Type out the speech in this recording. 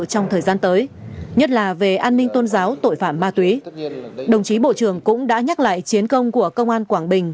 trong thời gian tới nhất là về an ninh tôn giáo tội phạm ma túy đồng chí bộ trưởng cũng đã nhắc lại chiến công của công an quảng bình